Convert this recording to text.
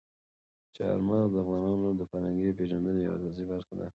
چار مغز د افغانانو د فرهنګي پیژندنې یوه اساسي برخه ده.